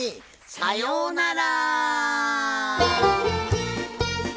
さようなら！